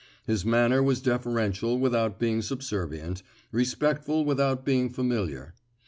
His manner was deferential without being subservient, respectful without being familiar.